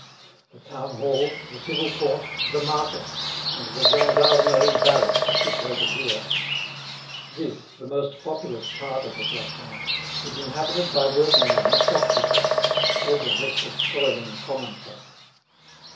The Town Hall, the Civil Court, the Market, and the Gendarmerie barracks are situated here. This, the most populous part of the Plassans, is inhabited by working men and shop keepers, all the wretched, toiling, common folk.